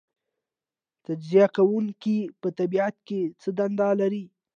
تجزیه کوونکي په طبیعت کې څه دنده لري